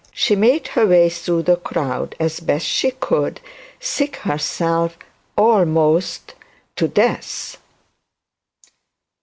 She made her way through the crowd as best she could, sick herself almost to death.